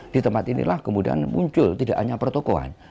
di tempat inilah kemudian muncul tidak hanya pertokohan